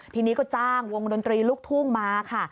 ทีนี้ก็จ้างวงดนตรีลูกทุ่งมาค่ะ